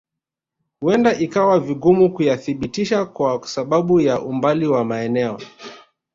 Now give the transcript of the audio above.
Huenda ikawa vigumu kuyathibitisha kwa sababu ya umbali wa maeneo